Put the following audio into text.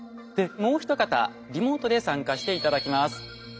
もう一方リモートで参加して頂きます。